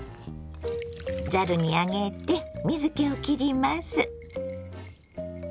ざるに上げて水けをきります。